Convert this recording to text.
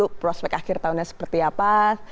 untuk prospek akhir tahunnya seperti apa